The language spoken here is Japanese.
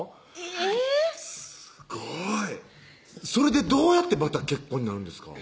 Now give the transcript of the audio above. えぇすごいそれでどうやってまた結婚になるんですか？